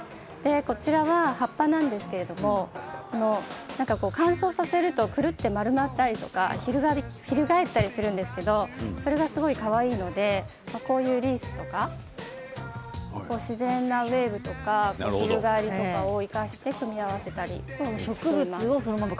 こちらは葉っぱなんですけれども乾燥させると、くるっと丸まったりとか翻ったりするんですけれどもそれがすごいかわいいのでリースとか自然なウエーブとか翻りとかを生かして組み合わせたりしています。